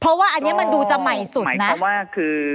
เพราะว่าอันนี้มันดูจะใหม่สุดนะเพราะว่าคือ